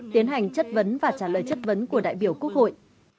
tiến hành chất vấn và trả lời chất vấn của đại biểu quốc hội